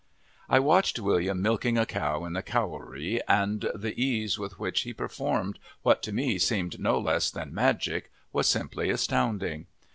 I watched William milking a cow in the cowary, and the ease with which he performed what to me seemed no less than magic was simply astounding.